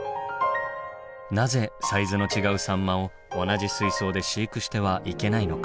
なぜサイズの違うサンマを同じ水槽で飼育してはいけないのか？